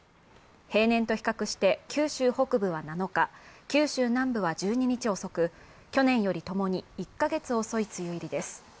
平年と比較して、九州北部は７日、九州南部は１２日遅く、去年よりともに１カ月遅い梅雨入りです。